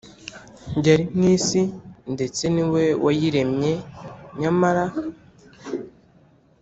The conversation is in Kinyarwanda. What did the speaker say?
Yari mu isi ndetse ni we wayiremye nyamara